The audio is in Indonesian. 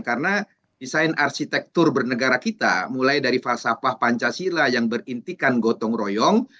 karena desain arsitektur bernegara kita mulai dari falsafah pancasila yang berintikan gotong royong